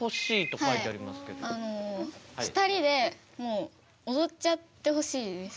２人でもうおどっちゃってほしいです。